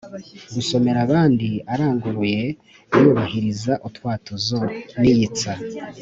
Gusomera abandi aranguruye yubahiriza utwatuzo n’iyitsa